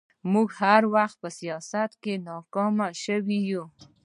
موږ هر وخت په سياست کې ناکام شوي يو